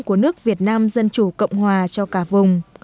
của nước việt nam dân chủ cộng hòa cho cả vùng